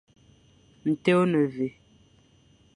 Nten ô ne mvè.